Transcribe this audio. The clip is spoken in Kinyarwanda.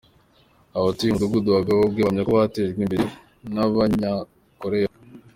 Abatuye mu mudugudu wa Gihogwe bahamya ko batejwe imbere n’Abanyakoreya